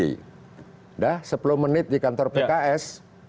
sudah sepuluh menit di kantor pks